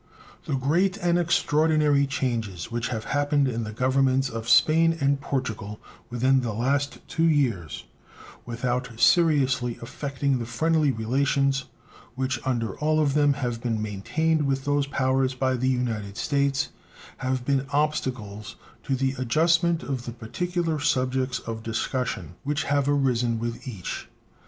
The great and extraordinary changes which have happened in the Governments of Spain and Portugal within the last two years, without seriously affecting the friendly relations which under all of them have been maintained with those powers by the United States, have been obstacles to the adjustment of the particular subjects of discussion which have arisen with each.